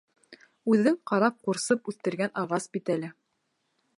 Үҙең ҡарап-ҡурсып үҫтергән ағас бит әле.